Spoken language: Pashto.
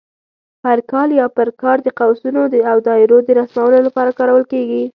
پر کال یا پر کار د قوسونو او دایرو د رسمولو لپاره کارول کېږي.